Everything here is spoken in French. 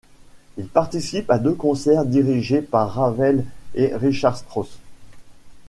Il participe à deux concerts dirigés par Ravel et Richard Strauss.